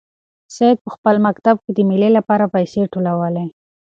سعید په خپل مکتب کې د مېلې لپاره پیسې ټولولې.